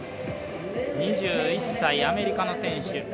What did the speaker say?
２１歳、アメリカの選手。